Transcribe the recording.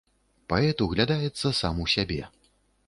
Паэт углядаецца сам у сябе.